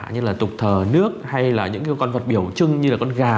như là tục thờ nước hay là những cái con vật biểu trưng như là con gà